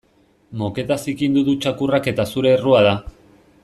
Moketa zikindu du txakurrak eta zure errua da.